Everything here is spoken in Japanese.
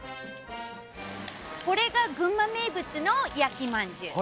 これが群馬名物の焼きまんじゅう。